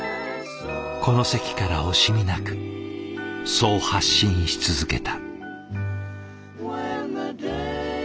この席から惜しみなくそう発信し続けた。